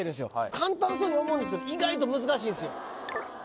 簡単そうに思うんですけど意外と難しいんすよ